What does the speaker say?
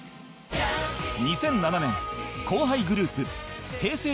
２００７年後輩グループ Ｈｅｙ！